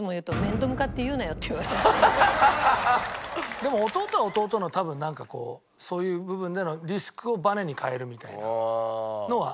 でも弟は弟の多分なんかこうそういう部分でのリスクをバネに変えるみたいなのはあるんじゃない？